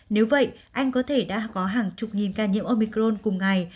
nếu vậy anh có thể đã có hàng chục nghìn ca nhiễm omicron cùng ngày